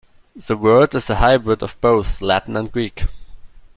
The word is a hybrid of both Latin and Greek.